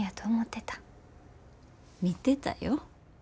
みてたよ。